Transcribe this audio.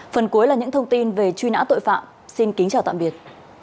phần cuối là những thông tin về truy nã tội phạm xin kính chào tạm biệt